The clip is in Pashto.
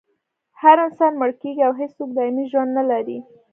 هر انسان مړ کیږي او هېڅوک دایمي ژوند نلري